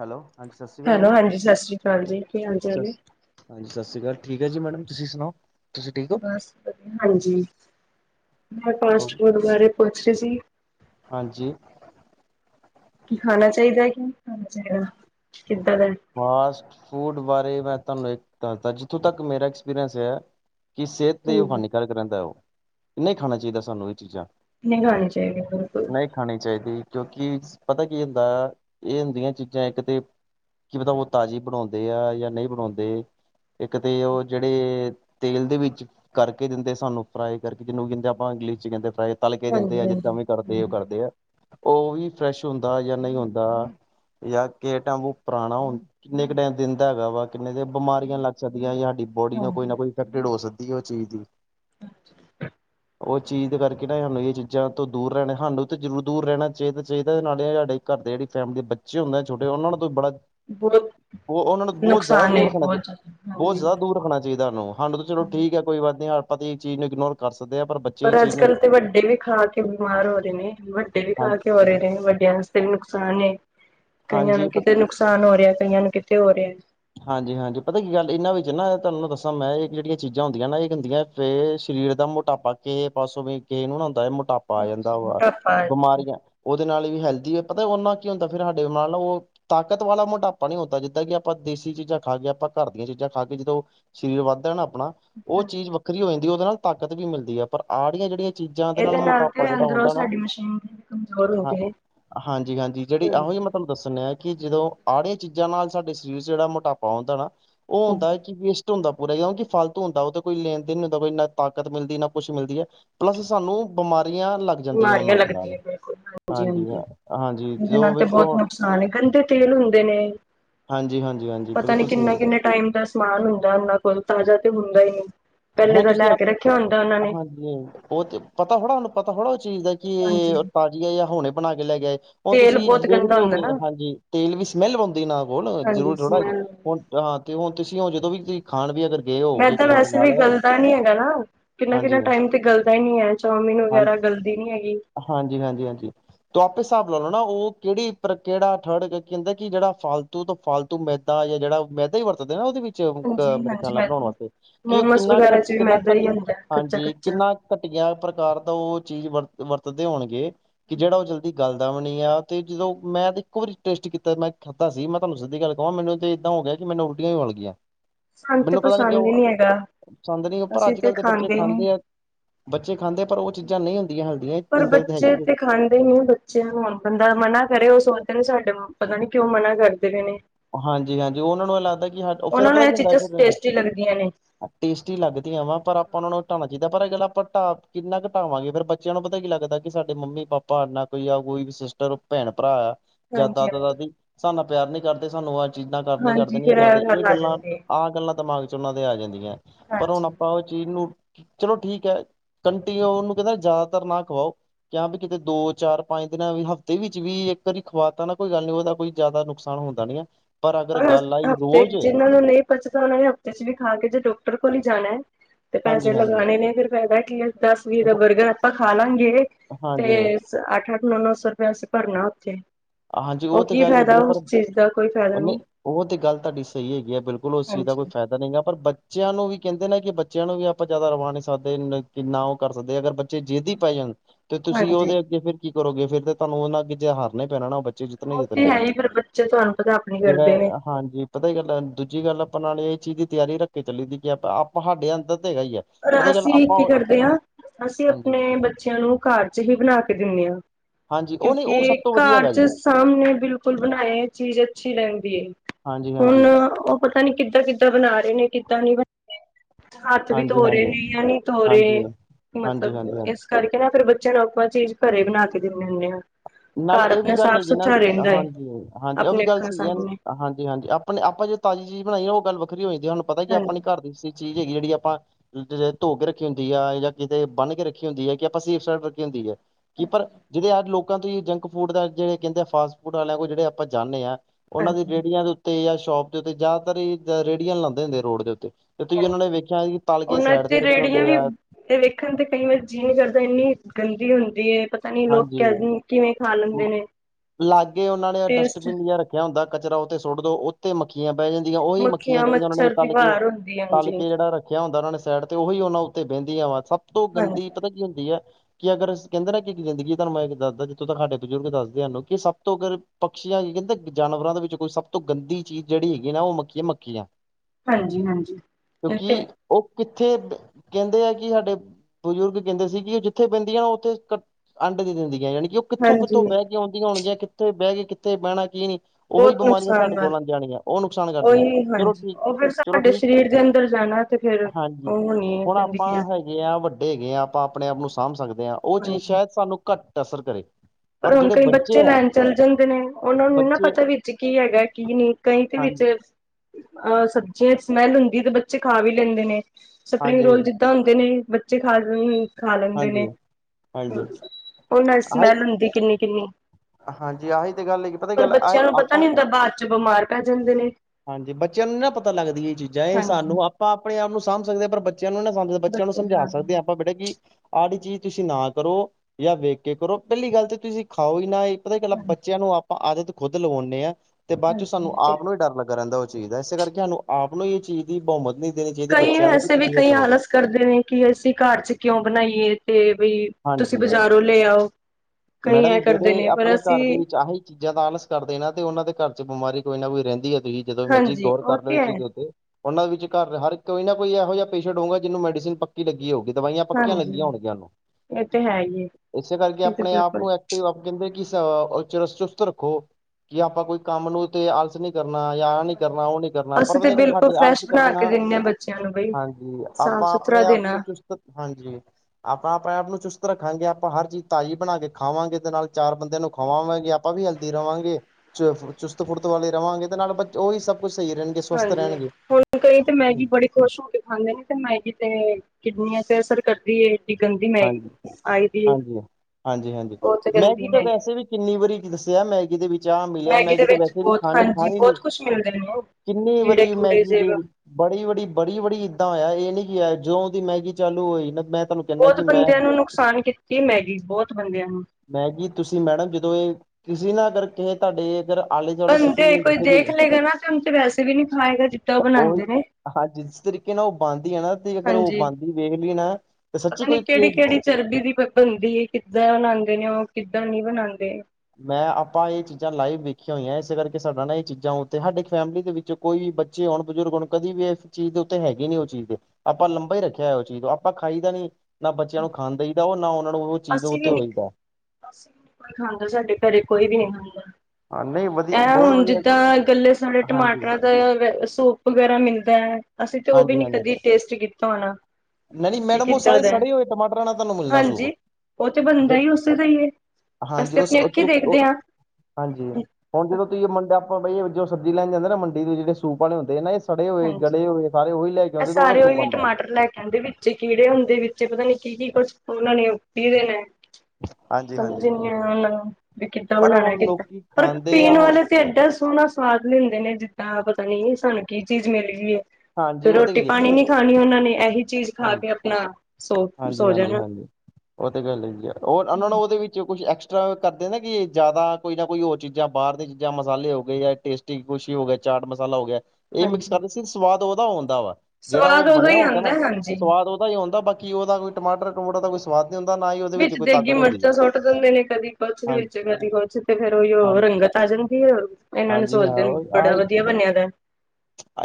Hello ਹਾਂਜੀ ਸਤਿ ਸ਼੍ਰੀ ਅਕਾਲ ਹੈਲੋ ਮੈਡਮ ਹਾਂਜੀ ਸਤਿ ਸ਼੍ਰੀ ਅਕਾਲ ਜੀ ਕੀ ਹਾਲ ਚਾਲ ਹੈ। ਸਸ ਹਾਂਜੀ ਸਤਿ ਸ਼੍ਰੀ ਅਕਾਲ ਠੀਕ ਹੈ ਜੀ ਮੈਡਮ ਤੁਸੀਂ ਸੁਣਾਓ। ਤੁਸੀਂ ਠੀਕ ਬਸ ਵਧੀਆ ਹਾਂਜੀ ਮੈਂ ਹੋ ਫਾਸਟ ਫੂਡ ਬਾਰੇ ਪੁੱਛ ਰਹੀ ਸੀ। ਹਾਂਜੀ। ਕੀ ਖਾਣਾ ਚਾਹੀਦਾ ਹੈ ਕਿ ਨਹੀਂ ਖਾਣਾ ਚਾਹੀਦਾ ਕਿੱਦਾਂ ਦਾ। ਫਾਸਟ ਫੂਡ ਬਾਰੇ ਮੈਂ ਤੁਹਾਨੂੰ ਇੱਕ ਦੱਸਦਾ ਜਿੱਥੋਂ ਤੱਕ ਮੇਰਾ ਐਕਸਪੀਰੀੰਸ ਹੈ। ਕਿ ਸਿਹਤ ਤੇ ਉਹ ਹਾਨੀਕਾਰਕ ਰਹਿੰਦਾ ਹੈ ਉਹ ਕਿੰ ਨਹੀਂ ਖਾਣਾ ਚਾਹੀਦਾ ਸਾਨੂੰ ਇਹ ਚੀਜ਼ਾਂ। ਨਘਾਣੀ ਚਾਹੀਦੀ ਬਿਲਕੁਲ। ਨਹੀਂ ਖਾਣੀ ਚਾਹੀਦੀ ਕਿਉਂਕਿ ਪਤਾ ਕੀ ਹੁੰਦਾ ਇਹ ਹੁੰਦੀਆਂ ਚੀਜ਼ਾਂ ਇੱਕ ਤੇ। ਕੀ ਪਤਾ ਉਹ ਤਾਜ਼ੀ ਬਣਾਉਂਦੇ ਆ ਜਾਂ ਨਹੀਂ ਬਣਾਉਂਦੇ। ਇੱਕ ਤੇ ਉਹ ਜਿਹੜੇ ਤੇਲ ਦੇ ਵਿੱਚ ਕਰਕੇ ਦਿੰਦੇ ਸਾਨੂੰ ਫਰਾਈ ਕਰਕੇ ਜਿਨੂੰ ਕਹਿੰਦੇ ਆਪਾਂ ਇੰਗਲਿਸ਼ ਚ ਕਹਿੰਦੇ ਫਰਾਈ। ਤਲ ਕੇ ਹਾਂਜੀ ਦਿੰਦੇ ਆ ਹਾਂਜੀ। ਜਿੱਦਾਂ ਵੀ ਕਰਦੇ ਉਹ ਹੂੰ। ਕਰਦੇ ਆ। ਉਹ ਵੀ ਫਰੈਸ਼ ਹੁੰਦਾ ਜਾਂ ਨਹੀਂ ਹੁੰਦਾ ਜਾਂ ਕਿਸੇ ਪੁਰਾਣਾ ਹੁਣ ਕਿੰਨੇ ਕੁ ਟਾਈਮ ਦਿੰਦਾ ਹੈਗਾ ਵਾ ਕਿੰਨੇ ਬਿਮਾਰੀਆਂ ਲੱਗ ਸਕਦੀਆਂ ਸਾਡੀ ਬੋਡੀ ਹਾਂ। ਨੂੰ ਕੋਈ ਨਾ ਕੋਈ ਹੋ ਸਕਦੀ ਉਹ ਚੀਜ਼ ਦੀ [unintelligible] ਉਹ ਚੀਜ਼ ਕਰਕੇ ਨਾ ਸਾਨੂੰ ਇਹ ਚੀਜ਼ਾਂ ਤੋਂ ਦੂਰ ਰਹਿਣਾ ਸਾਨੂੰ ਤੇ ਜ਼ਰੂਰ ਦੂਰ ਰਹਿਣਾ ਚਾਹੀਦਾ ਚਾਹੀਦਾ ਨਾਲੇ ਸਾਡੇ ਘਰ ਦੇ ਜਿਹੜੀ ਫੈਮਲੀ ਦੇ ਬੱਚੇ ਹੁੰਦੇ ਨੇ ਉਹਨਾਂ ਨੂੰ ਬੜਾ ਬਹੁਤ ਉਹ ਉਹਨਾਂ ਨੂੰ ਬਹੁਤ ਜ਼ਿਆਦਾ ਨੁਕਸਾਨ ਦੂਰ ਹੈ ਰੱਖਣਾ ਬਹੁਤ ਚਾਹੀਦਾ ਜ਼ਿਆਦਾ ਬਹੁਤ ਹਾਂਜੀ। ਜ਼ਿਆਦਾ ਦੂਰ ਰੱਖਣਾ ਚਾਹੀਦਾ ਉਹਨੂੰ ਸਾਨੂੰ ਤਾਂ ਚੱਲੋ ਠੀਕ ਹੈ। ਕੋਈ ਗੱਲ ਨਹੀਂ ਆਪਾਂ ਇਹ ਚੀਜ਼ ਨੂੰ ਇਗਨੋਰ ਕਰ ਸਕਦੇ ਹਾਂ ਪਰ ਬੱਚੇ ਪਰ ਇਹ ਅੱਜ ਚੀਜ਼ ਨੂੰ ਕੱਲ੍ਹ ਤੇ ਵੱਡੇ ਵੀ ਖਾ ਕੇ ਬਿਮਾਰ ਹੋ ਰਹੇ ਨੇ ਵੱਡੇ ਵੀ ਹਾਂ ਖਾ ਕੇ ਹੋ ਰਹੇ ਰਹੇ ਵੱਡਿਆਂ ਵਾਸਤੇ ਵੀ ਨੁਕਸਾਨ ਏ ਕਈਆਂ ਹਾਂਜੀ ਨੂੰ ਕਿਤੇ ਨੁਕਸਾਨ। ਨੁਕਸਾਨ ਹੋ ਰਿਹਾ ਕਈਆਂ ਨੂੰ ਕਿੱਥੇ ਹੋ ਰਿਹਾ। ਹਾਂਜੀ ਹਾਂਜੀ ਪਤਾ ਕੀ ਗੱਲ ਇਹਨਾਂ ਵਿੱਚ ਨਾ ਤੁਹਾਨੂੰ ਦੱਸਾਂ ਮੈਂ ਇਹ ਜਿਹੜੀਆਂ ਚੀਜ਼ਾਂ ਹੁੰਦੀਆਂ ਨਾ ਇਹ ਹੁੰਦੀਆਂ ਹੈ। ਫ ਸਰੀਰ ਦਾ ਮੋਟਾਪਾ ਕਿਸੇ ਪਾਸੋਂ ਵੀ ਕਿਸੇ ਨੂੰ ਨਾ ਹੁੰਦਾ ਮੋਟਾਪਾ। ਪਾ ਹਾਂਜੀ। ਜਾਂਦਾ ਵਾ ਮੋਟਾਪਾ ਬਿਮਾਰੀਆਂ ਉਹਦੇ ਨਾਲ ਵੀ ਹੈਲਦੀ ਹੈ ਪਤਾ ਉਹਨਾ ਕੀ ਹੁੰਦਾ ਫਿਰ ਸਾਡੇ ਨਾਲ ਉਹ ਤਾਕਤ ਵਾਲਾ ਮੋਟਾਪਾ ਨੀ ਹੁੰਦਾ ਜਿੱਦਾਂ ਕਿ ਆ। ਆਪਾਂ ਦੇਸੀ ਚੀਜ਼ਾਂ ਖਾ ਕੇ ਆਪਾਂ ਘਰ ਦੀਆਂ ਚੀਜ਼ਾਂ ਖਾਏ ਜਦੋਂ ਸਰੀਰ ਵੱਧਦਾ ਨਾ। ਆਪਣਾ ਉਹ ਚੀਜ਼ ਵੱਖਰੀ ਹੋ ਜਾਂਦੀ ਉਹਦੇ ਨਾਲ ਤਾਕਤ ਵੀ ਮਿਲਦੀ ਹੈ ਪਰ ਆੜੀਆਂ ਜਿਹੜੀਆਂ। ਚੀਜ਼ਾਂ ਦੇ ਨਾਲ ਇਹਦੇ ਤੇ ਮੋਟਾਪਾ ਜਿਹੜਾ ਅੰਦਰੋਂ ਹੁੰਦਾ ਨਾ ਸਾਡੀ ਮਸ਼ੀਨਰੀ ਵੀ ਕਮਜ਼ੋਰ ਹੋ ਹਾਂ। ਗਈ। ਹਾਂਜੀ ਹਾਂਜੀ ਜਿਹੜੀ ਇਹੋ ਜਹੀ ਮਤਲਬ। ਹਾਂਜੀ-ਹਾਂਜੀ। ਤੁਹਾਨੂੰ ਦੱਸਣੇ ਆ ਕਿ ਜਦੋਂ ਆੜੀਆਂ ਚੀਜ਼ਾਂ ਨਾਲ ਸਾਡੇ ਸਰੀਰ ਚ ਜਿਹੜਾ ਮੋਟਾਪਾ ਹੁੰਦਾ ਨਾ। ਉਹ ਹੁੰਦਾ ਹੈ ਕਿ ਵੀ ਦਾ ਪੂਰਾ ਕਿਉੰਕਿ ਫਾਲਤੂ ਹੂਦਾ ਉਹ ਕੋਈ ਲੈਣ ਦੇਨ ਨੀ ਹੁੰਦਾ ਬਾਈ ਨਾ ਤਾਕਤ ਮਿਲਦੀ ਨਾ ਕੋ ਕੁਛ ਮਿਲਦੀ ਹੈ। ਪਲੱਸ ਸਾਨੂੰ ਬਿਮਾਰੀਆਂ ਲੱਗ। ਜਾਂਦੀਆਂ ਬਿਮਾਰੀਆਂ ਉਹਨਾਂ ਦੇ ਨਾਲ ਲੱਗਦੀਆਂ ਬਿਲਕੁਲ। ਹਾਂਜੀ-ਹਾਂਜੀ। ਹਾਂਜੀ-ਹਾਂਜੀ ਜੋ ਵੇਖੋ। ਹਾਂ ਗੰਦੇ ਤੇਲ ਹੁੰਦੇ ਨੇ ਹਾਂਜੀ-ਹਾਂਜੀ-ਹਾਂਜੀ ਪਤਾ ਨੀ ਬਿਲਕੁਲ ਕਿੰਨਾ ਸਹੀ ਕਿੰਨੇ ਟਾਈਮ ਦੱਸ ਸਮਾਨ ਹੁੰਦਾ ਉਹਨਾਂ ਕੋਲ ਤਾਜ਼ਾ ਤੇ ਹੁੰਦਾ ਹੀ ਨਹੀਂ ਹੈ ਪਹਿਲੇ ਹੁਣ ਤਾਂ ਤੁਸੀਂ ਲੈ ਕੇ ਰੱਖਿਆ ਹੁੰਦਾ ਉਹਨਾਂ ਨੇ। ਹਾਂਜੀ ਉਹ ਤੇ ਪਤਾ ਥੋੜਾ ਉਹਨੂੰ ਪਤਾ ਥੋੜ੍ਹਾ ਉਹ ਚੀਜ਼ ਦਾ ਕਿ ਹਾਂਜੀ। ਤਾਜ਼ੀਆ ਜਾਂ ਹੋਣੇ ਬਣਾ ਕੇ ਲੈ ਕੇ ਆਏ। ਹੁਣ ਤੇਲ ਤੁਸੀਂ ਬਹੁਤ ਗੰਦਾ ਦੇੇਖਦੇ ਹੁੰਦਾ ਹੋਗੇ ਨਾ। ਹਾਂਜੀ ਤੇਲ ਵੀ ਸਮੈਲ ਆਉਂਦੀ ਨਾਲ ਕੋਲ ਹਾਂਜੀ ਜ਼ਰੂਰ ਥੋੜਾ ਜੀ ਸਮੈਲ ਹੁਣ। ਹਾਂ ਤੇ ਹੁਣ ਤੁਸੀਂ ਉਹ ਜਦੋਂ ਵੀ ਤੁਸੀਂ ਖਾਣ ਵੀ ਅਗਰ ਅ ਗਏ ਹੋਗੇ ਕਿਸੇ ਦੇ ਨਾਲ। ਅ ਨੀ ਹੈਗਾ ਨਾ ਕਿੰਨਾ ਕਿੰਨਾ ਹਾਂਜੀ ਟਾਈਮ ਤੇ ਗਲਦਾ ਹੀ ਨੀ ਹੈ ਚੌਮਿਨ ਵਗੈਰਾ ਗਲਦੀ ਨੀ ਹੈਗੀ। ਹਾਂਜੀ-ਹਾਂਜੀ-ਹਾਂਜੀ। ਤ ਆਪੇ ਹਿਸਾਬ ਲਾ ਲਓ ਨਾ ਉਹ ਕਿਹੜੀ ਕਿਹੜਾ ਥਰਡ ਕਹਿੰਦਾ ਕਿ ਜਿਹੜਾ ਫਾਲਤੂ ਤੋਂ ਫਾਲਤੂ। ਤੂੰ ਮੈਦਾ ਜਾਂ ਜਿਹੜਾ ਮੈਦਾ ਹੀ ਵਰਤਦੇ ਨਾ ਉਹਦੇ ਵਿੱਚ। ਮੇਰੇ ਖਿਆਲ ਹਾਂਜੀ-ਹਾਂਜੀ। ਨਾਲ ਬਣਾਉਣ ਵਾਸਤੇ ਕਿ ਉਹ ਮੋਮੋਸ ਕਿੰਨਾ ਵਗੈਰਾ ਘੱਟ ਚ ਵੀ ਕਿੰਨਾ ਮੈਦਾ ਘੱਟ ਹੀ ਹੁੰਦਾ ਹਾਂਜੀ ਕੱਚਾ-ਕੱਚਾ। ਕਿੰਨਾ। ਘਟੀਆ ਪ੍ਰਕਾਰ ਦਾ ਉਹ ਚੀਜ਼ ਵਰ ਵਰਤਦੇ ਹੋਣਗੇ ਕਿ ਜਿਹੜਾ ਉਹ ਜਲਦੀ ਗਲਦਾ ਤੇ ਜਦੋਂ ਮੈਂ ਤਾਂ ਇੱਕੋ ਵਾਰੀ ਟੇਸਟ ਕੀਤਾ ਮੈਂ ਖਾਧਾ ਸੀ ਮੈਂ ਤੁਹਾਨੂੰ ਸਿੱਧੀ ਗਲ ਕਹਾਂ ਮੈਨੂੰ ਤੇ ਇਦਾਂ ਹੋ ਗਿਆ। ਮੈਨ ਉਲਟੀਆਂ ਵੀ ਵਲ ਗਿਆ। ਸਾਨੂੰ ਤੇ ਮੈਨੂੰ ਪਤਾ ਨੀ ਪਸੰਦ ਕਿਉਂ ਹੀ ਹੈਗਾ ਪਸੰਦ ਨੀ ਆ, ਪਰ ਅਸੀਂ ਅੱਜ- ਤੇ ਕੱਲ੍ਹ ਦੇ ਬੱਚੇ ਨੀ ਖਾਂਦੇ ਆ ਬੱਚੇ ਖਾਂਦੇ ਆ ਪਰ ਉਹ ਚੀਜ਼ਾਂ ਨਹੀਂ ਹੁੰਦੀਆਂ ਹੈਗੀ ਹੈਲਦੀਆਂ ਪਰ ਗੱਲ ਤਾਂ ਬੱਚੇ ਤੇ ਖਾਂਦੇ ਈ ਨੇ ਬੱ ਚੇ ਹੁਣ ਬੰਦਾ ਮਨਾ ਕਰੇ ਉਹ ਸੋਚਦੇ ਨੇ ਸਾਡੇ ਪਤਾ ਨੀ ਕਿਉਂ ਮਨਾ ਕਰਦੇ ਵਏ ਨੇ। ਹਾਂਜੀ-ਹਾਂਜੀ, ਉਹਨਾਂ ਨੂੰ ਇਹ ਲੱਗਦਾ ਕਿ ਹ, ਉਥੇ ਨਾ ਉਹਨਾਂ ਨੂੰ ਪਤਾ ਇਹ ਕੀ ਹੁੰਦਾ ਚੀਜ਼ਾਂ ਫਿਰ ਟੇਸਟੀ ਲੱਗਦੀਆਂ ਨੇ ਟੇਸਟੀ ਲੱਗਦੀਆਂ ਵਾ ਪਰ ਆਪਾਂ ਉਹਨਾਂ ਨੂੰ ਹਟਾਉਣਾ ਚਾਹੀਦਾ ਪਰ ਐ ਗੱਲ ਆਪਾਂ ਢਾ, ਕਿੰਨਾ ਕ ਢਾਵਾਂਗੇ ਫੇਰ ਬੱ ਬੱਚਿਆਂ ਨੂੰ ਪਤਾ ਕੀ ਲੱਗਦਾ ਕਿ ਸਾਡੇ ਮੰਮੀ ਪਾਪਾ, ਨਾ ਕੋਈ ਆ ਕੋਈ ਵੀ ਸਿਸਟਰ ਭੈਣ ਭਰਾ ਆ। ਜਾਂ ਹਾਂਜੀ ਹਾਂਜੀ ਦਾਦਾ-ਦਾਦੀ, ਸਾ ਨਾ ਪਿਆਰ ਨੀ ਕਰਦੇ ਸਾਨੂੰ ਅੱਜ ਚੀਜ਼ਾਂ ਕਰਦੇ-ਕਰਦੇ ਹਾਂਜੀ ਨੇ ਇਹ ਫੇਰ ਕਰਦੇ, ਗੱਲ ਇਹ ਆ ਗੱਲਾਂ ਜਾਂਦੀ ਹੈ ਆਹ ਗੱਲਾਂ ਦਿਮਾਗ ਚ ਉਹਨਾਂ ਦੇ ਆ ਜਾਂਦੀਆਂ। ਪਰ ਹਾਂਜੀ ਹੁਣ ਪਾਓ ਚੀਜ਼ ਨੂੰ ਚਲੋ ਠੀਕ ਐ, ਕੰਟੀਓ ਉਹਨੂੰ ਕਹਿੰਦਾ ਜ਼ਿਆਦਾਤਰ ਨਾ ਖਵਾਓ। ਜਾਂ ਵੀ ਕਿਤੇ ਦੋ, ਚਾਰ-ਪੰਜ ਦਿਨਾਂ ਵੀ ਹਫ਼ਤੇ ਵਿੱਚ ਵੀ, ਇੱਕ ਵਾਰੀ ਖਵਾਤਾ ਨਾ ਕੋਈ ਗੱਲ ਨੀ ਉਹਦਾ ਕੋਈ ਜ਼ਿਆਦਾ ਨੁਕਸਾਨ ਹੁੰ। ਸਮਝ ਗਿਆ। ਪਰ ਹਫ਼ਤੇ 'ਚ ਜਿੰਨ੍ਹਾਂ ਨੂੰ ਨ‌ਈਂ ਪਚਦਾ ਉਹਨਾਂ ਨੇ ਹਫ਼ਤੇ ਚ ਵੀ ਖਾ ਕੇ ਜੇ ਡੋਕਟਰ ਕੋਲ ਈ ਜਾਣਾ ਏ। ਤੇ ਹਾਂਜੀ ਪੈਸੇ ਹਾਂਜੀ ਲਗਾਣੇ ਨੇ ਫਿਰ ਫੈਦਾ ਕੀ ਐ, ਦਸ-ਵੀਹ ਦਾ ਬਰਗਰ ਆਪਾਂ ਖਾਲਾਂਗੇ ਹਾਂਜੀ ਤੇ ਅਠ-ਅੱਠ, ਨੌ-ਨੌ ਸੌ ਰੁਪਿਆ ਅਸੀ ਭਰਨਾ ਓਥੇ। ਹਾਂਜੀ ਉਹ ਤੇ ਕੀ ਗੱਲ ਹੈਗੀ ਫ਼ਾਇਦਾ ਹੈ ਪਰ ਉਸ ਚੀਜ਼ ਦਾ ਕੋਈ ਫ਼ਾਇਦਾ ਉਹਨੇ ਨੀ। ਉਹ ਤੇ ਗੱਲ ਤ੍ਹ‌ਾਡੀ ਸਹੀ ਹੈਗੀ ਆ ਬਿਲਕੁਲ ਉਸ ਚੀਜ਼ ਦਾ ਕੋਈ ਹਾਂਜੀ, ਫੈਦਾ ਨੀ ਗਾ। ਪਰ ਬ ਚਿਆਂ ਨੂੰ ਵੀ ਕਹਿੰਦੇ ਨੇ ਕਿ ਬੱਚਿਆਂ ਨੂੰ ਵੀ ਆਪਾਂ ਜ਼ਿਆਦਾ ਰਵਾ ਨ‌ਈਂ ਸਕਦੇ। ਏਨਾਂ ਕਿੰਨਾ ਉਹ ਕਰ ਸਕਦੇ ਅਗਰ ਬੱਚੇ ਜੇਦ ਈ ਪੈ ਜਾਣ। ਤੇ ਤੁਸੀਂ ਹਾਂਜੀ ਉਹਦੇ ਅੱਗੇ ਫਿਰ ਕੀ ਕਰੋਗੇ। ਫਿਰ ਤੇ ਤ੍ਹ‌ਾਨੂੰ ਉਹਨਾਂ ਅੱਗੇ ਜੇ ਹਾਰਨਾ ਪੈਣਾ ਨਾਂ ਉਹ ਬੱਚੇ ਜਿੱਤਣੇ ਹੀ ਏ ਜਿੱਤਣੇ ਆ ਹੈ ਈ, ਫਿਰ ਬੱਚੇ ਤੁਹਾਨੂੰ ਪਤਾ ਆਪਣੀ ਫਿਰ ਕਰਦੇ ਨੇ। ਇਹ- ਹਾਂਜੀ, ਪਤਾ ਕੀ ਗੱਲ ਆ, ਦੂਜੀ ਗੱਲ ਆਪਾਂ ਨਾਲ ਇਹ ਚੀਜ਼ ਦੀ ਤਿਆਰੀ ਰੱਖ ਕੇ ਚੱਲੀ ਦੀ ਕਿ ਆਪਾਂ-ਆਪਾਂ ਹਾਡੇ ਅੰਦਰ ਤੇ ਹੈਗਾ ਈ ਐ। ਪਰ ਅਸੀਂ ਕੀ ਕਰਦੇ ਆਂ, ਅਸੀਂ ਹਾਂਜੀ ਆਪਣੇ ਬੱਚਿਆਂ ਨੂੰ ਘਾਰ 'ਚ ਹੀ ਬਣਾ ਕੇ ਦਿੰਨੇ ਆਂ। ਹਾਂਜੀ, ਓ ਨੀ ਉਹ ਸਭ ਤੋਂ ਵਧੀ ਘਰ ਚ ਸਾਹਮਣੇ ਬਿਲਕੁਲ ਬਣਾਈ ਚੀਜ਼ ਅੱਛੀ ਰਹਿੰਦੀ ਏ, ਹਾਂਜੀ ਹਾਂਜੀ ਹੁਣ ਉਹ ਪਤਾ ਨੀ ਕਿੱਦਾਂ ਕਿੱਦਾਂ ਬਣਾ ਰਹੇ ਨੇ ਕਿੱਦਾਂ ਨੀ ਬ ਰਹੇ ਵੀ ਹਾਂਜੀ ਧੋ ਰਹੇ ਹਾਂਜੀ ਨੇ ਜਾਂ ਨਹੀਂ ਧੋ ਰਹੇ ਹਾਂਜੀ ਹਾਂਜੀ ਮਤਲਬ ਹਾਂਜੀ ਹਾਂਜੀ ਇਸ। ਕਰਕੇ ਨਾ ਫਿਰ ਬੱਚਿਆਂ ਨੂੰ ਆਪਾਂ ਚੀਜ਼ ਘਰੇ ਬਣਾ ਕੇ ਦਿੰਦੇ ਹੁੰਦੇ ਹਾਂ। ਨਾਲ ਘਰ ਇਹ ਵੀ ਆਪਣਾ ਗੱਲ ਸਾਫ਼ ਹੇਗੀ ਨਾ ਸੁਥਰਾ ਰਹਿੰਦਾ ਹੈ ਹਾਂਜੀ, ਹਾਂਜੀ ਉਹ ਵੀ ਆਪਣੇ ਗੱਲ ਅੱਖਾਂ ਸਈ ਏ ਸਾਹਮਣੇ ਹਾਂਜੀ-ਹਾਂਜੀ। ਆਪਣੇ ਆਪਾਂ ਜੇ ਤਾਜ਼ੀ ਚੀਜ਼ ਬਣਾਈਏ ਉਹ ਗੱਲ ਵੱਖਰੀ ਹੋ ਜਾਂਦੀ ਹੈ ਤੁਾਨੂੰ ਪਤਾ ਕਿ ਆਪ ਹਾਂਜੀ, ਘਰ ਦੀ ਚੀਜ਼ ਹੈਗੀ ਜਿਹੜੀ ਆਪਾਂ। ਜ ਧੋ ਕੇ ਰੱਖੀ ਹੁੰਦੀ ਆ, ਜਾਂ ਕਿਤੇ ਬੰਨ ਕੇ ਰੱਖੀ ਹੁੰਦੀ ਆ, ਕਿ ਆਪਾਂ ਸੀਫ ਸਾਈਡ ਰੱਖੀ ਹੁੰਦੀ ਆ। ਕੀ ਪਰ ਜਿਹੜੇ ਅੱਜ ਲੋਕ ਲੋਕਾਂ ਜੰਕ ਫੂਡ ਦਾ ਜੇੜੇ ਕਹਿੰਦੇ ਆ ਫਾਸਟ ਫੂਡ ਆਲਿਆਂ ਕੋ ਜੇੜੇ ਆਪਾਂ ਜਾਂਨੇ ਆਂ ਉਹਨਾਂ ਦੀ ਹਾਂਜੀ, ਰੇਹੜੀਆਂ ਦੇ ਤੇ ਆ ਸ਼ੋਪ ਦੇ ਉੱਤੇ ਜ਼ਿਆਦਾਤਰ ਰੇੜੀਆਂ ਲਾਂਦੇ ਹੁੰਦੇ ਆ ਰੋਡ ਦੇ ਉੱਤੇ। ਤੇ ਤੁਸੀਂ ਉਹਨਾਂ ਹਾਂਜੀ। ਨੇ ਵੇਖਿਆ ਕਿ ਤਲ ਕੇ ਉਹਨਾਂ ਸਾਈਡ ਤੇ ਦੇ ਰੱਖੇ ਰੇਹੜੀਆਂ ਹੁੰਦੇ ਵੀ ਆ। ਤੇ ਵੇਖਣ ਤੇ ਕਈ ਵਾਰੀ ਜੀਅ ਨੀ ਕਰਦਾ ਇੰਨੀ ਗੰਦੀ ਹੁੰਦੀ ਏ ਪਤਾ ਨੀ ਲੋਕ ਹਾਂਜੀ ਕ ਕਿਵੇਂ ਖਾ ਲੈਂਦੇ ਨੇ ਟੇਸਟ। ਕਿਆ ਹੁੰਦਾ ਕਚਰਾ ਓਤੇ ਸੁੱਟ ਦੋ ਤੇ ਮੱਖੀਆਂ ਬਹਿ ਜਾਂਦੀਆਂ ਉਹੀ ਮੱਖੀਆਂ ਜਿਹੜੀਆਂ ਉਹ ਨੇ ਮੱਛਰ ਦੀ ਤਲ ਕੇ ਵਾਰ ਹੁੰਦੀ ਹੈ ਤਲ ਹਾਂਜੀ ਕੇ ਜਿਹੜਾ ਰ। ਰਖਿਆ ਹੁੰਦਾ ਉਹਨਾਂ ਨੇ ਸਾਈਡ ਤੇ ਉਹੀ ਉਹਨਾਂ ਉੱਤੇ ਬਹਿੰਦੀਆਂ ਵਾ ਸਭ ਤੋਂ ਗੰਦੀ ਹਾਂਜੀ ਪਤਾ ਕੀ ਹੁੰਦੀ ਹੈ। ਕਿ ਅਗਰ ਕਹਿੰਦੇ [unintelligible] ਜ਼ਿੰਦਗੀ ਦਾ ਮੈਂ ਦੱਸਦਾ ਜਿੱਥੋਂ ਤੱਕ ਸਾਡੇ ਬਜ਼ੁਰਗ ਦੱਸਦੇ ਹਨੂੰ ਕਿ ਸਭ ਤੋਂ ਅਗਰ ਪਕਸ਼ੀਆਂ ਕਹਿੰਦੇ ਜਾਨਵਰਾਂ ਦੇ ਵਿੱਚ ਕੋਈ ਸਭ ਸਭ ਤੋਂ ਗੰਦੀ ਚੀਜ਼ ਜਿਹੜੀ ਹੈਗੀ ਨਾ ਉਹ ਮੱਕੀਏ ਮੱਕੀ ਆ। ਹਾਂਜੀ, ਹਾਂਜੀ ਠੀਕ ਏ ਤੈ ਉਹ ਕਿੱਥੇ ਕਹਿੰਦੇ ਆ ਕਿ ਸਾਡੇ ਬਜ਼ੁਰਗ ਕਹਿੰਦੇ ਸੀ ਕਿ ਉਹ ਜਿੱਥੇ ਪੈਂਦੀਆਂ ਨਾ ਉੱਥੇ ਅੰਡ ਦੀ ਦਿੰਦੀ ਹੈ ਜਾਣੀ ਕਿ ਉਹ ਕਿੱਥੋਂ ਕਿੱਥੋਂ ਹਾਂਜੀ ਬਹਿ ਕੇ ਆਉਂਦੀਆਂ ਹੋਣਗੀਆਂ ਕਿੱਥੇ ਬਹਿ ਕੇ ਕਿੱਥੇ ਬਹਿਣਾ ਕੀ ਨੀਂ ਉਹੀ ਬਹੁਤ ਬਿਮਾਰੀਆਂ ਨੁਕਸਾਨ ਸਾਡੇ ਵਾਲ ਕੋਲ ਆਂਦ ਜਾਣੀਆਂ ਉਹ ਨੁਕਸਾਨ ਕਰਦੀਆਂ, ਉਹੀ ਚਲੋ ਹਾਂਜੀ ਠੀਕ ਉਹ ਫਿਰ ਚਲੋ ਸਾਡੇ ਠੀਕ। ਸਰੀਰ ਦੇ ਅੰਦਰ ਜਾਣਾ ਤੇ ਫਿਰ ਹਾਂਜੀ ਉਹ ਹੋਣੀ ਹੈ ਹੁਣ ਆਪਾਂ ਗੰਦਗੀ ਹੈਗੇ ਹ ਵੱਡੇ ਹੇਗੇ ਆ ਆਪਾਂ ਆਪਣੇ ਆਪ ਨੂੰ ਸਾਂਭ ਸਕਦੇ ਆਂ, ਉਹ ਚੀਜ਼ ਹਾਂਜੀ ਸ਼ਾਇਦ ਸਾਨੂੰ ਘੱਟ ਅਸਰ ਕਰੇ। ਪਰ ਹੁਣ ਕਈ ਬੱਚੇ ਲੈਣ ਚੱਲ ਜਾਂਦੇ ਨੇ, ਉਹਨਾਂ ਨੂੰ ਨਾ ਬੱਚੇ ਪਤਾ ਵਿੱਚ ਕੀ ਹੈਗਾ ਕੀ ਨਹੀਂ ਕਈ ਤੇ ਵਿੱਚ ਹਾਂਜੀ ਅਹ ਸਬਜ਼ੀਆਂ ਚ ਸਮੈਲ ਹੁੰਦੀ ਤੇ ਬੱਚੇ ਖਾ ਵੀ ਲੈਂਦੇ ਨੇ ਸਪਰਿੰਗ ਹਾਂਜੀ ਰੋਲ ਜ‌। ਹੁੰਦੇ ਨੇ ਬੱਚੇ ਖਾ ਦੇਣ [unintelligible] ਖਾ ਲੈਂਦੇ ਨੇ, ਹਾਂਜੀ ਹਾਂਜੀ ਉਹ ਨਾਲ ਆਹੀ ਸਮੈਲ ਹੁੰਦੀ ਕਿੰਨੀ-ਕਿੰਨੀ। ਹਾਂਜੀ ਆਹੀ ਤੇ ਗੱਲ ਹੈ ਕਿ ਪਤਾ ਗੱਲ ਆ ਆਪਾਂ ਆ ਜਾਂਦੇ ਨੇ। ਹਾਂਜੀ ਬੱਚਿਆਂ ਨੂੰ ਨਾ ਪਤਾ ਲੱਗਦੀ ਇਹ ਚੀਜ਼ਾਂ ਇਹ ਸਾਨੂੰ ਹਾਂਜੀ ਆਪ ਆਪਾਂ ਆਪਣੇ ਆਪ ਨੂੰ ਸਾਂਭ ਸਕਦੇ ਆਂ। ਪਰ ਬੱਚਿਆਂ ਨੂੰ ਨੀ ਸਾਂਭ ਸਕਦੇ, ਬੱਚਿਆਂ ਨੂੰ ਬੱਚੇ ਸਮਝਾ ਹਾਂ ਸਕਦੇ ਆ, ਆਪਾਂ ਬੇਟਾ ਕਿ ਆ ਜਿਹੜੀ ਚੀਜ਼ ਤੁਸੀਂ ਨਾ ਕਰੋ, ਜਾਂ ਵੇਖ ਕੇ ਕਰੋ। ਪਹਿਲੀ ਗੱਲ ਤਾਂ ਤੁਸੀਂ ਖਾਓ ਈ ਨਾ ਏ ਪਤਾ ਕੀ ਗੱਲ ਆ, ਬੱਚਿਆਂ ਨੂੰ ਆਪਾਂ ਆਦਤ ਖੁਦ ਲਵਾਉਂਨੇ ਆ, ਤੇ ਬਾਅਦ ਚ ਹਾਂਜੀ ਸਾਨੂੰ ਤੇ ਆਪ ਨੂੰ ਈ ਡਰ ਲੱਗਾ ਰਹਿੰਦਾ ੳ ਚੀਜ਼ ਦਾ, ਏਸੇ ਕਰਕੇ ਹਾਨੂੰ ਆਪ ਨੂੰ ਇਹ ਚੀਜ਼ ਦੀ ਬਹੁਮਤ ਨ‌ਈਂ ਦੇਣੀ ਚਾਹੀਦੀ ਕਈ ਬੱਚਿਆਂ ਨੂੰ ਕਿ ਵੈਸੇ ਵੀ ਤੁਸੀਂ ਇਹ ਕਈ ਕਰੋ। ਆਲਸ ਕਰਦੇ ਨੇ ਕਿ, ਅਸੀਂ ਘਾਰ 'ਚ ਕਿਉਂ ਬਣਾਈਏ ਤੇ ਬ‌ਈ ਤੁਸੀਂ ਹਾਂਜੀ ਬਜ਼ਾਰੋਂ ਲੈ ਆਓ ਕਈ ਐਂ ਮੈਡਮ ਕਰਦੇ ਜਿਹੜੇ ਨੇ ਪਰ ਆਪਣੇ ਘਰ ਦੇ ਅਸੀਂ। ਵਿੱਚ ਆਹੀ ਚੀਜ਼ਾਂ ਦਾ ਆਲਸ ਕਰਦੇ ਨਾ ਤੇ ਉਹਨਾਂ ਦੇ ਘਰ ਚ ਬਿਮਾਰੀ ਕੋਈ ਨਾ ਕੋਈ ਰਹਿੰਦੀ ਆ ਤੁਸੀਂ ਜਦੋਂ ਮਰਜ਼ੀ ਹਾਂਜੀ ਗੌਰ ਉਹ ਕਰ ਤੇ ਲਿਓ ਹੈ ਚੀਜ਼ ਉੱਤੇ। ਉਹਨਾਂ ਦੇ ਵਿੱਚ ਘਰ ਹਰ ਕੋਈ ਨਾ ਕੋਈ ਇਹੋ ਜਿ ਪੇਸ਼ਟਊਗਾ ਜਿਨ ਮੈਡੀਸਨ ਪ। ਪੱਕ ਲੱਗੀ ਹੋਊਗੀ ਦਵਾਈਆਂ ਪੱਕੀਆਂ ਹਾਂਜੀ ਲੱਗ ਹੋਣੀਆਂਨੂੰ। ਇਹ ਤੇ ਹੈ ਹੀ ਹੈ। ਇਸੇ ਕਰਕੇ ਇਹ ਤੇ ਆਪਣੇ ਆਪ ਬਿਲਕੁਲ ਨੂੰ‌। ਆਪ ਕਹਿੰਦੇ ਕਿ ਚ ਚੁਸਤ ਰੱਖੋ, ਕਿ ਆਪਾਂ ਕੋਈ ਕੰਮ ਨੂੰ ਤੇ ਆਲਸ ਨ ਕਰਨਾ ਯਾ ਆਹ ਨੀ ਕਰਨਾ ਉਹ ਨੀ ਕਰਨਾ ਅਸੀਂ ਪਰਖ ਤੇ ਬਿਲਕੁਲ ਸਾਡੇ ਆਲ ਫਰੈਸ਼ ਚ ਬਣਾ ਕੇ ਕਰਨਾ, ਦਿੰਦੇ ਹਾਂ ਬੱਚਿਆਂ ਨੂੰ ਬਈ। ਹਾਂਜੀ। ਸਾਫ ਆਪਾਂ ਸੁਥਰਾ ਆਪਣੇ ਆਪ ਦੇਣਾ ਨੂੰ ਚੁਸਤ, ਹਾਂਜੀ। ਆਪਾਂ ਆਪਣੇ ਆਪ ਨੂੰ ਚੁਸਤ ਰੱਖਾਂਗੇ ਆਪਾਂ ਹਰ ਚੀਜ਼ ਤਾਜ਼ੀ ਬਣਾ ਕੇ ਖਾਵਾਂਗੇ ਤੇ ਨਾਲ ਚਾਰ ਬੰਦੇ ਨੂੰ ਖਵਾਵਾਂਗੇ ਆਪਾਂ ਆਪਾਂ ਵੀ ਹੈਲਦੀ ਰਵਾਂਗੇ, ਚੁਸਤ ਫੁਰਤ ਵਾਲੇ ਰਵਾਂਗੇ ਤੇ ਨਾਲ ਬ ਉਹੀ ਸਭ ਕੁਝ ਸਹੀ ਰਹਿੰ ਹਾਂਜੀ, ਹੁਣ ਕਈ ਤਾਂ ਮੈਂਗੀ ਬੜੀ ਖੁਸ਼ ਹੋ ਕੇ ਖਾਂਦੇ ਨੇ, ਤੇ ਮੈਗੀ ਤੇ ਕਿਡਨੀਆਂ ਤੇ ਅਸਰ ਕਰਦੀ ਏ। ਗੰਦੀ ਮੈਗੀ, ਆਈ ਦੀ ਏ। ਹਾਂਜੀ-ਹਾਂਜੀ, ਬਹੁਤ ਗੰਦੀ ਮੈਗੀ ਤਾਂ ਵੈਸੇ ਵੀ ਕਿੰਨੀ ਵਾਰੀ ਦੱਸਿਆ, ਮੈਗੀ ਦੇ ਵਿੱਚ ਆ ਮਿਲਿਆ ਮੈਗੀ ਦੇ ਵਿ ਬਹੁਤ, ਹਾਂਜੀ ਬਹੁਤ ਕੁਛ ਮਿਲਦੇ ਨੇ ਕਿੰਨੀ ਕੀੜੇ ਵਾਰੀ ਕੂੜੇ ਮੈਗੀ ਦੇ ਜੇਵ ਵਿਚ ਬੜੀ ਵੜੀ, ਬੜੀ ਵੜੀ ਇੱਦਾਂ ਹੋਇਆ ਇਹ ਨੀ ਕੀ ਜਦੋਂ ਦੀ ਮੈਗੀ ਚਾਲੂ ਹੋਈ ਨਾ, ਮੈਂ ਤੁਹਾਨੂੰ ਕਹਿੰਦਾ ਬਹੁਤ ਕਿ ਮੈਂ ਬੰਦਿਆਂ ਨੂੰ ਨੁਕਸਾਨ ਕੀਤੀ ਮੈਗੀ, ਬਹੁਤ ਬੰਦਿਆਂ ਨੂੰ। ਮੈਗੀ, ਤੁਸੀਂ ਮੈਡਮ ਜਦੋਂ ਇਹ, ਕਿਸੇ ਨਾ ਅਗਰ ਕਿਸੇ ਤੁਹਾਡੇ ਅਗਰ ਆਲੇ ਦੁਆਲੇ ਸਿਟੀ ਬਨਦੇਂ ਹੋਏ ਦੇ ਕੋਈ ਜਿੱਥੇ ਦੇ ਦੇਖ ਲਏਗਾ ਨਾ ਤੇ ਵੈਸੇ ਵੀ ਨੀ ਖਾਏਗਾ, ਜਿੱਦਾਂ ਉਹ ਬਣਾਂਦੇ ਨੇ। ਹਾਂਜੀ, ਜਿਸ ਤਰੀਕੇ ਨਾਲ ਉਹ ਬਣਦੀ ਏ ਨਾ ਤੇ ਅਗਰ ਉਹ ਹਾਂਜੀ। ਬਣਦੀ ਵੇਖ ਲਈ ਨਾ ਤੇ ਸੱਚੀ ਪਤਾ ਨੀ ਕੋਈ ਕਿ ਕਿਹੜੀ-ਕਿਹੜੀ ਚਰਬੀ ਦੀ ਵਰਤੋ ਹੁੰਦੀ ਏ, ਕਿੱਦਾਂ ਬਣਾਂਦੇ ਨੇ ਉਹ, ਕਿੱਦਾਂ ਨ‌ਈਂ ਬਣਾਂਦੇ। ਮੈਂ, ਆਪਾਂ ਇਹ ਚੀਜ਼ਾਂ ਲਾਈਵ ਵੇਖੀਆਂ ਹੋਈਆਂ, ਇਸ ਕਰਕੇ ਸਾਡਾ ਨਾ ਇਹ ਚੀਜ਼ਾਂ ਉੱਤੇ, ਹਾਡੇ ਫੈਮਿਲੀ ਦੇ ਵਿੱਚ- ਕੋਈ ਵੀ ਬੱਚੇ ਹੋਣ, ਬਜ਼ੁਰਗ ਹੋਣ ਕਦੀ ਵੀ, ਇਸ ਚੀਜ਼ ਦੇ ਉੱਤੇ ਹੈਗੇ ਨੀ ਉਹ ਚੀਜ਼ ਦੇ। ਆਪਾਂ ਲੰਬਾ ਈ ਰੱਖਿਆ ਹੋਇਆ ਉਹ ਚੀਜ਼ ਤੋਂ ਆਪਾਂ ਖਾਈ ਦਾ ਨੀ, ਨਾ ਬੱਚਿਆਂ ਨੂੰ ਖਾਣ ਦਈਦਾ। ਉਹ ਨਾ ਉਹਨਾਂ ਨੂੰ ਚੀਜ਼ ਦੇ ਅਸੀਂ ਉੱਤੇ ਵੀ ਨੀ, ਹੋਈਦਾ ਅਸੀਂ ਵੀ ਨ ਕੋਈ ਖਾਂਦਾ ਸਾਡੇ ਘਰੇ ਕੋਈ ਵੀ ਨੀ ਖਾਂਦਾ। ਹਾਂ ਨਹੀਂ ਵਧੀਆ ਐ ਬਹੁਤ ਹੁਣ ਵਧੀਆ ਜਿੱਦਾਂ, ਗੱਲੇ-ਸੜੇ ਹਾਂਜੀ ਟਮਾਟਰਾਂ ਦਾ ਸੂਪ ਵਗੈਰਾ ਮਿਲਦਾ ਐ, ਅਸੀਂ ਤੇ ਉਹ ਵੀ ਹਾਂਜੀ ਨੀ ਹਾਂਜੀ ਕਦੀ ਟੇਸਟ ਕੀਤਾ ਹੋਣਾ। ਨਹੀਂ- ਨਹੀਂ, ਕਿ ਮੈਡਮ ਉਹ ਕਿੱਦਾਂ ਸਾਰੇ ਦਾ ਐ, ਸੜੇ ਹੋਏ ਟਮਾਟਰਾਂ ਨਾ ਤੁਹਾਨੂੰ ਮਿਲਣਾ ਸੂਪ। ਹਾਂਜੀ। ਉਹ ਤੇ ਬਣਦਾ ਜ ਈ ਉਸੇ ਦਾ ਈ ਐ। ਹਾਂਜੀ ਅਸੀਂ ਉਸ ਆਪਣੀ ਉਹ ਅੱਖੀਂ ਕਿਉਂ ਦੇਖਦੇ ਉਹ ਆਂ। ਹਾਂਜੀ, ਹੁਣ ਜਦੋਂ ਤੁਸੀਂ ਮੰਡ ਆਪਾਂ ਬ‌ਈ ਜੋ ਸਬਜ਼ੀ ਲੈਣ ਜਾਂਦੇ ਨਾ, ਮੰਡੀ ਦੇ ਜਿਹੜੇ ਸੂਪ ਆਲੇ ਹੁੰਦੇ ਆ ਨਾ ਸੜੇ ਹੋਏ, ਹਾਂਜੀ। ਗਲੇ ਹੋਏ ਸਾਰੇ ਉਹੀ ਲੈ ਕੇ ਆਉਂਦੇ, ਤੇ ਉਹਦਾ ਸੁੂਪ ਬਣਦਾ। ਪਰ ਲੈ ਕੇ ਆਂਦੇ ਵੀ ਜੇ ਕੀੜੇ ਹੁੰਦੇ ਵਿੱਚ ਪਤਾ ਨੀ ਕੀ-ਕੀ ਕੁਛ, ਉਹਨਾਂ ਨੇ ਓ ਪੀ ਦੇਨੇ ਨੇਂ। ਹਾਂਜੀ ਸਮਝ ਹਾਂਜੀ ਨੀ ਆ ਪਰ ਕਿੱਦਾਂ ਬਣਾਉਣਾ ਹੁਣ ਕਿੱਦਾਂ ਲੋਕੀ ਪਰ ਖਾਂਦੇ ਆ ਪੀਣ ਹੁਣ ਵਾਲੇ ਤੇ ਏਡਾ ਸੋਹਣਾ ਸਵਾਦ ਲਿਆਂਦੇ ਨੇ, ਜਿਦਾ ਪਤਾ ਨੀ, ਸਾਨੂੰ ਕੀ ਚੀਜ਼ ਮਿਲ ਗਈ। ਹਾਂਜੀ ਉਹ ਤੇ ਰੋਟੀ ਹੈਗੀ ਪਾਣੀ ਨੀ ਖਾਣੀ ਉਹਨਾ ਨੇ ਇਹੀ ਚੀਜ਼ ਖਾ ਕੇ ਹਾਂਜੀ- ਆਪਣਾ ਸੋ ਹਾਂਜੀ, ਸੋ ਹਾਂਜੀ, ਜਾਣਾ। ਹਾਂਜੀ ਉਹ ਤੇ ਗੱਲ ਹੈਗੀ ਆ ਉਹ ਉਹਨਾਂ ਨੂੰ ਹਾਂਜੀ। ਉਹਦੇ ਵਿੱਚ ਕੁਛ ਐਕਸਟਰਾ ਕਰਦੇ ਨਾ ਕਿ ਜ਼ਿਆਦਾ ਕੋਈ ਨਾ ਕੋਈ ਹੋਰ ਚੀਜ਼ਾਂ ਬਾਹਰ ਦੀਆਂ ਚੀਜ਼ਾਂ ਮਸਾਲੇ ਹੋ ਗਏ ਜਾਂ ਟੇਸਟ, ਹੋ ਗਿਆ, ਚਾਟ ਮਸਾਲਾ ਹੋ ਗਿਆ। ਇਹ ਮਿਕਸ ਹਾਂਜੀ ਕਰਦੇ ਸੀ। ਸਵਾਦ ਉਹਦਾ ਆਉਂਦਾ ਵਾ, ਜਿਹੜਾ ਉਹ ਸਵਾਦ ਉਦੋਂ ਬਣਿਆ ਹੀ ਹੁੰਦਾ ਆਉਂਦਾ ਨਾ ਹਾਂਜੀ। ਸਵਾਦ ਉਹਦਾ ਹੀ ਆਉਂਦਾ ਬਾਕੀ ਉਹਦਾ ਕੋਈ ਟਮਾਟਰ ਟਮੂਟਰ ਦਾ ਕੋਈ ਸਵਾਦ ਨਹੀਂ ਹੁੰਦਾ ਨਾ ਹੀ ਉਹਦੇ ਵਿੱਚ ਕੋਈ ਦੇਗੀ ਤਾਕਤ ਹੁੰਦੀ ਹੈ ਮਿਰਚਾਂ ਸੁੱਟ ਦਿੰਦੇ ਨੇ ਕਦੀ ਕੁਛ ਦੇ ਹਾਂਜੀ ਵਿੱਚ ਕਦੀ ਕੁਛ ਤੇ ਫੇਰ ਉਹੀ ੳ ਹਾਂਜੀ ਰੰਗਤ ਆ ਜਾਂਦੀ ਹੈ, ਇਹਨਾਂ ਨੂੰ ਹਾਂਜੀ ਹਾਂ ਸੋਚਦੇ ਉਹ ਆਹ ਬੜਾ ਵਧੀਆ ਬਣਿਆ ਦਾ ਹੈ।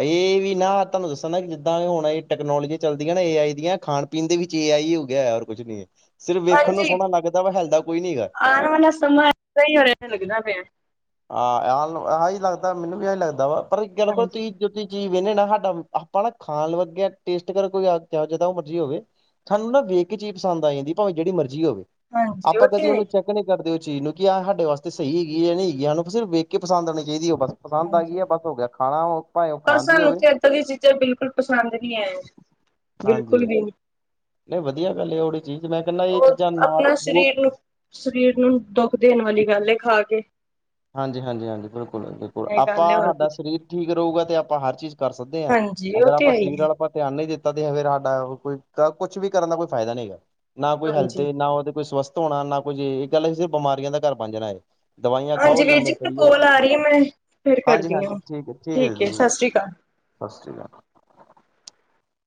ਇਹ ਵੀ ਨਾ ਤੁਹਾਨੂੰ ਦੱਸਣ ਨਾ ਜਿੱਦਾਂ ਹੁਣ, ਇਹ ਟੈਕਨੋਲੋਜੀਆਂ ਚੱਲਦੀਆਂ ਨਾ ਇਹ ਆਈ ਦੀਆਂ ਖਾਣ ਚੀਨ ਦੇ ਵਿੱਚ ਵੀ ਏਆਈ ਹੋ ਗਿਆ ਹੋਰ ਕੁਝ ਨਹੀਂ ਹੈ। ਸਿਰਫ ਵੇਖਣ ਨੂੰ ਹਾਂਜੀ। ਸੋਹਣਾ ਲੱਗਦਾ ਵਾ, ਹਿਲਦਾ ਕੋਈ ਨੀ‌ ਹੈਗਾ ਆਉਣ ਵਾਲਾ ਸਮਾਂ ਏਦਾਂ ਹੀ ਹੋ ਰਿਹਾ ਲੱਗਦਾ ਪਿਆ ਹਾਂ ਇਹੀ ਲੱਗਦਾ ਮੈਨੂੰ ਵੀ ਇਹੀ ਲੱਗਦਾ ਵਾ, ਪਰ ਇੱਕ ਗੱਲ ਹਾਂਜੀ ਤੁਸੀਂ ਚੀਜ਼ ਵਹਿੰਦੇ ਨਾ ਸਾਡਾ ਆਪਾਂ ਨਾ ਖਾਣ ਲੱਗੇ ਟੇਸਟ ਕਰ ਕੋਈ ਜਿੱਦਾਂ ਉਹ ਮਰਜ਼ੀ ਹੋਵੇ। ਸਾਨੂੰ ਨਾ ਵੇਖ ਕੇ ਚੀਜ਼ ਪਸੰਦ ਆ ਜਾਂਦੀ ਭਾਵੇਂ ਜਿਹੜੀ ਮਰਜ਼ੀ ਹੋਵੇ ਹਾਂਜੀ ਆਪਾਂ ਉਹ ਤੇ ਕਦੀ ਹੈ। ਉਹਨੂੰ ਹੀ ਚੈੱਕ ਕਰਦੇ ਉਹ ਚੀਜ਼ ਨੂੰ ਕਿ ਆਹ ਸਾਡੇ ਵਾਸਤੇ ਸਹੀ ਹੈਗੀ ਹੈ, ਜਾਂ ਨਹੀਂ ਹੈਗੀ ਸਾਨੂੰ ਸਿਰਫ ਵੇਖ ਕੇ ਪਸੰਦ ਆਉਣੀ ਚਾਹੀਦ ਬਸ ਪਸੰਦ ਆ ਹਾਂਜੀ। ਗਈ ਹੈ! ਬਸ ਹੋ ਗਿਆ ਖਾਣਾ ਉਹ ਭਾਵੇਂ ਪਰ ਖਾਣ ਦੀ ਸਾਨੂੰ ਹੋਵੇ ਇਦਾਂ ਦੀਆਂ ਚੀਜ਼ਾਂ ਬਿਲਕੁਲ ਪਸੰਦ ਨਹੀਂ ਹੈ। ਬਿਲਕੁਲ ਹਾਂਜੀ ਵੀ ਨਹੀਂ ਨਹੀਂ ਵਧੀਆ ਗੱਲ ਹੈ। ਉਹ ਜਿਹੜੀ ਚੀਜ਼ ਮੈਂ ਕਹਿੰਦਾ ਇਹ ਉਹ ਚੀਜ਼ਾਂ ਨਾ ਆਪਣਾ ਦੋ, ਸਰੀਰ ਨੂੰ ਸਰੀਰ ਨੂੰ ਦੁੱਖ ਦੇਣ ਵਾਲੀ ਗੱਲ ਹੈ ਖਾ ਕੇ ਹਾਂਜੀ, ਹਾਂਜੀ, ਹਾਂਜੀ ਬਿਲਕੁਲ, ਬਿਲਕੁਲ ਇਹ ਆਪਾਂ ਗੱਲ ਏ ਹੋਰ ਸਾਡਾ ਕੁਛ ਸਰੀਰ ਠੀਕ ਰਹੇਗਾ ਅਤੇ ਆਪਾਂ ਹਰ ਚੀਜ਼ ਕਰ ਸਕਦੇ ਹਾਂ। ਹਾਂਜੀ ਉਹ ਅਗਰ ਤੇ ਆਪਾਂ ਹੈਈ ਸਰੀਰ ਵਾਲ ਆਪਾਂ ਧਿਆਨ ਨਹੀਂ ਦਿੱਤਾ ਤੇ ਫਿਰ ਸਾਡਾ ਕੋਈ ਕੁਛ ਵੀ ਕਰਨ ਦਾ ਕੋਈ ਫਾਇਦਾ ਨਹੀਂ ਹੈਗਾ। ਨਾ ਕੋਈ ਹੈਲਥ ਹਾਂਜੀ ਨਾ ਉਹਦੇ ਕੋਈ ਸਵਸਥ ਹੋਣਾ ਨਾ ਕੁਝ ਇਹ ਗੱਲ ਬਸ ਬਿਮਾਰੀਆਂ ਦਾ ਘਰ ਬਣ ਜਾਣਾ ਹੈ। ਦਵਾਈਆਂ ਉਹ ਹਾਂਜੀ ਵੀਰ ਲੰਮੇ ਜੀ ਪਈ ਆ ਕੋਲ ਰਹੀ ਹੈ ਮੈਂ ਫਿਰ ਹਾਂਜੀ ਕਰਦੀ ਹਾਂਜੀ ਹਾਂ। ਠੀਕ ਹੈ ਠੀਕ ਹੈ ਦੀਦੀ, ਸਤਿ ਸ੍ਰੀ ਅਕਾਲ। ਸਤਿ ਸ਼੍ਰੀ ਅਕਾਲ,